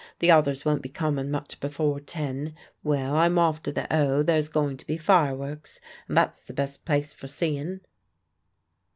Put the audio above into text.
The others won't be comin' much before ten. Well, I'm off to the 'Oe; there's going to be fireworks, and that's the best place for seein'."